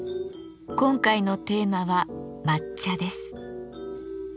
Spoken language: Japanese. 今回のテーマは「抹茶」です。